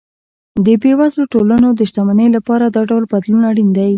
د بېوزلو ټولنو د شتمنۍ لپاره دا ډول بدلون اړین دی.